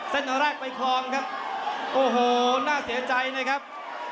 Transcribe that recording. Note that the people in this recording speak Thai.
เส้นแรกไปคลองครับโอ้โหน่าเสียใจนะครับ